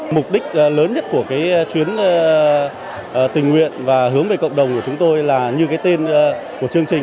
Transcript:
mục đích lớn nhất của cái chuyến tình nguyện và hướng về cộng đồng của chúng tôi là như cái tên của chương trình